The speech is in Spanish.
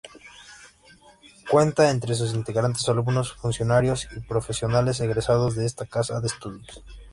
Cuenta entre sus integrantes alumnos, funcionarios y profesionales egresados de esta casa de estudios.